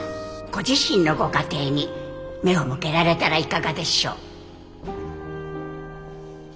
ご自身のご家庭に目を向けられたらいかがでしょう。